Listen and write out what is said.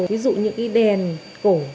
ví dụ như cái đèn cổ